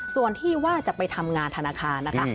ส่วนที่ว่าจะไปทำงานธนาคารนะคะ